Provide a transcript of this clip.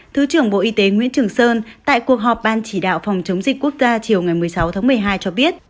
thứ trưởng bộ y tế nguyễn trường sơn tại cuộc họp ban chỉ đạo phòng chống dịch quốc gia chiều ngày một mươi sáu tháng một mươi hai cho biết